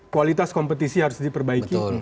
kualitas kompetisi harus diperbaiki